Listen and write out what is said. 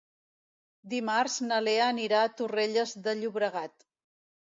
Dimarts na Lea anirà a Torrelles de Llobregat.